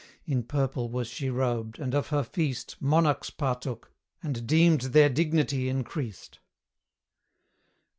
In purple was she robed, and of her feast Monarchs partook, and deemed their dignity increased.